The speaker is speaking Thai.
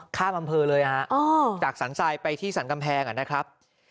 ข้ามอำเภอเลยฮะจากสรรทรายไปที่สรรกำแพงนะครับ